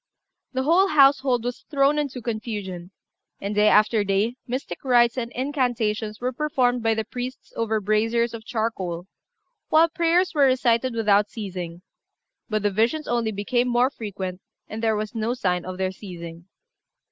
The whole household was thrown into confusion, and day after day mystic rites and incantations were performed by the priests over braziers of charcoal, while prayers were recited without ceasing; but the visions only became more frequent, and there was no sign of their ceasing.